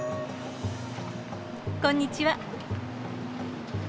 こんにちは。